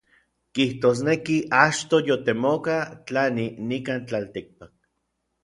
Kijtosneki achtoj yotemoka tlani nikan tlaltikpak.